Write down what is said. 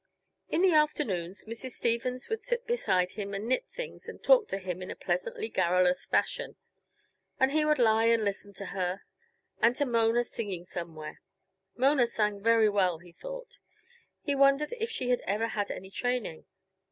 In the afternoons, Mrs. Stevens would sit beside him and knit things and talk to him in a pleasantly garrulous fashion, and he would lie and listen to her and to Mona, singing somewhere. Mona sang very well, he thought; he wondered if she had ever had any training.